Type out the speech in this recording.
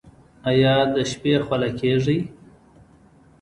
ایا د شپې خوله کیږئ؟